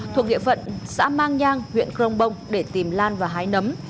thuộc địa phận xã mang nhang huyện crong bông để tìm lan và hái nấm